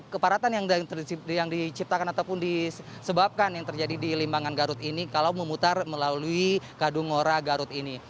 kepadatan yang diciptakan ataupun disebabkan yang terjadi di limbangan garut ini kalau memutar melalui kadungora garut ini